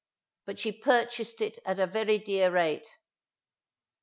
But she purchased it at a very dear rate.